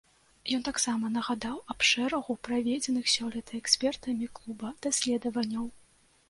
Ён таксама нагадаў аб шэрагу праведзеных сёлета экспертамі клуба даследаванняў.